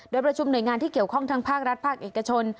โดยประชุมหน่วยงานที่เกี่ยวข้องทั้งภาครัฐภาคเอกชน